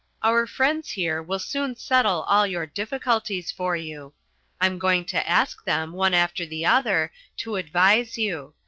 "Our friends here, will soon settle all your difficulties for you. I'm going to ask them, one after the other, to advise you.